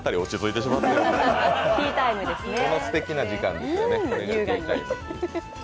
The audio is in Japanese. とてもすてきな時間ですよね。